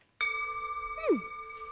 うん。